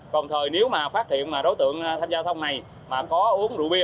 còn thời nếu mà phát hiện đối tượng tham gia thông này mà có uống rượu bia